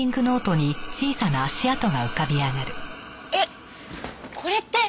えっこれって。